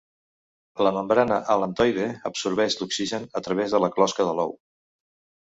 La membrana al·lantoide absorbeix l'oxigen a través de la closca de l'ou.